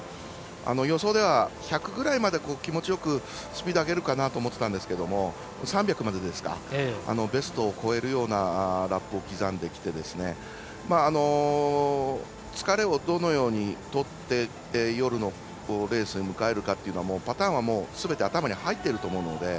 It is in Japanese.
予想では１００ぐらいまで気持ちよくスピード上げるかなと思ってたんですけど３００までですかベストを超えるようなラップを刻んできて疲れをどのようにとっていって夜のレースを迎えるかというのはパターンはすべて頭に入っていると思うので。